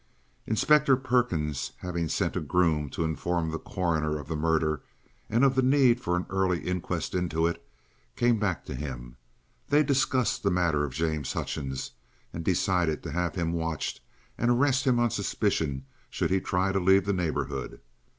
Inspector Perkins, having sent a groom to inform the coroner of the murder, and of the need for an early inquest into it, came back to him. They discussed the matter of James Hutchings, and decided to have him watched and arrest him on suspicion should he try to leave the neighbourhood.